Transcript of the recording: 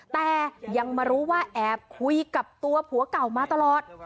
แต่ยังมารู้ว่าแอบคุยกับตัวผัวเก่ามาตลอด